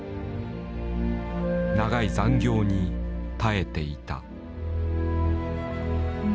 長い残業に耐えていた。